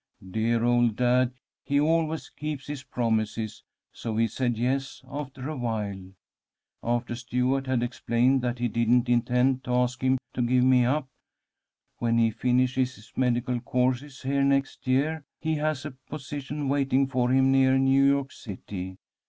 Dear old dad, he always keeps his promises, so he said yes after awhile. After Stuart had explained that he didn't intend to ask him to give me up. When he finishes his medical course here next year, he has a position waiting for him near New York City.